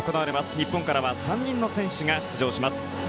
日本からは３人の選手が出場します。